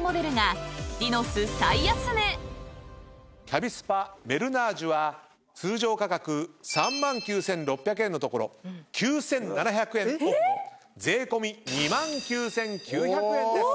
キャビスパメルナージュは通常価格３万９，６００円のところ９，７００円オフの税込み２万９，９００円です。